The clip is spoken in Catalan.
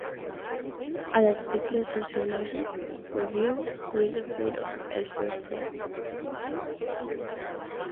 A l'article sociològic, "Review: Who is Afraid of Edward Said?"